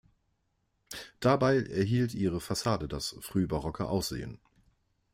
Dabei erhielt ihre Fassade das frühbarocke Aussehen.